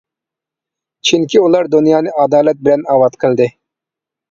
چۈنكى ئۇلار دۇنيانى ئادالەت بىلەن ئاۋات قىلدى.